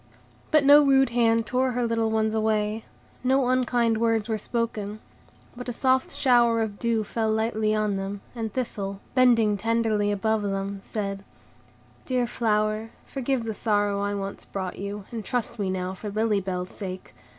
But no rude hand tore her little ones away, no unkind words were spoken; but a soft shower of dew fell lightly on them, and Thistle, bending tenderly above them, said,— "Dear flower, forgive the sorrow I once brought you, and trust me now for Lily Bell's sake.